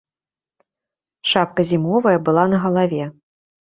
Шапка зімовая была на галаве.